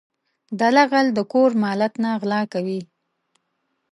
دله غل د کور مالت نه غلا کوي .